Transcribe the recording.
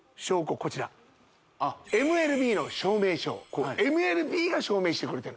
こちらあっＭＬＢの証明書をＭＬＢが証明してくれてる